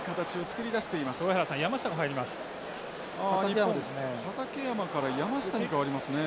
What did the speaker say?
日本畠山から山下に代わりますね。